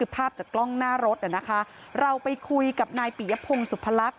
ภาพจากกล้องหน้ารถเราไปคุยกับนายปิยพงศุพลักษ